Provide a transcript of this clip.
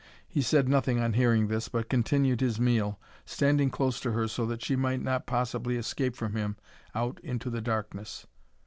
He said nothing on hearing this, but continued his meal, standing close to her so that she might not possibly escape from him out into the darkness.